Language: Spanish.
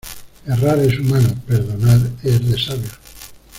Errar es humano, perdonar es de sabios.